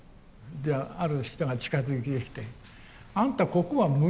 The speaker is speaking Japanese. じゃあある人が近づいてきて「『あんたここは村だよ。